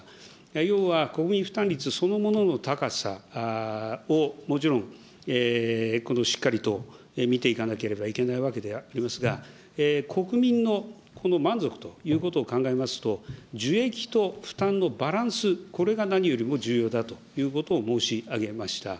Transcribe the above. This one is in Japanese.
要は、国民負担率そのものの高さをもちろんしっかりと見ていかなければいけないわけでありますが、国民のこの満足ということを考えますと、受益と負担のバランス、これが何よりも重要だということを申し上げました。